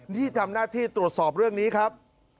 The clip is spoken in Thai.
ที่ทำหน้าที่ตรวจสอบเรื่องนี้ครับ